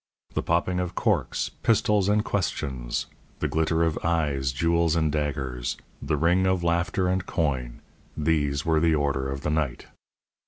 The popping of corks, pistols, and questions; the glitter of eyes, jewels and daggers; the ring of laughter and coin these were the order of the night.